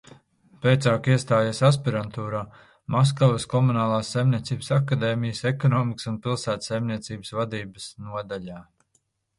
Pēcāk iestājies aspirantūrā Maskavas Komunālās saimniecības akadēmijas Ekonomikas un pilsētu saimniecības vadības nodaļā.